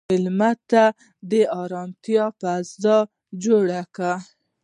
مېلمه ته د ارامتیا فضا جوړ کړه.